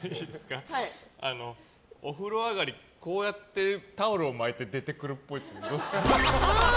お風呂上がり、こうやってタオルを巻いて出てくるっぽい。